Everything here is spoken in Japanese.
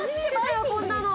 こんなの。